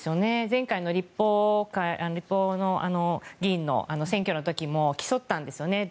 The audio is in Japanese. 前回の立法議員の選挙の時も競ったんですよね。